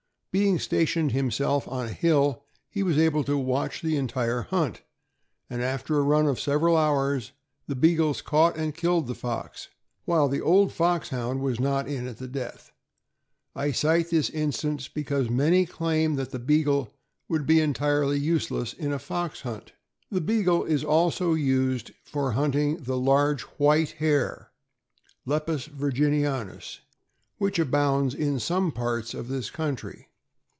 Being stationed himself on a hill, he was able to watch the entire hunt, and, after a run of several hours, the Beagles cai^ght and killed the fox, while the old Foxhound was not in at the death. I cite this instance because many claim that the Beagle would be entirely useless in a fox hunt. The Beagle is also used for hunting the large white hare (Lepus Virginianus) which abounds in some parts of this country.